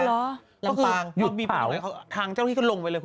น้ำปางหยุดเป่าคุณแม่คุณแม่ก็คือทางที่ก็ลงไปเลย